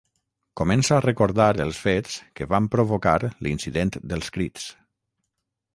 Comença a recordar els fets que van provocar l'incident dels crits.